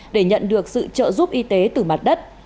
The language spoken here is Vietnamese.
để nhận được sự trợ giúp y tế từ mặt đất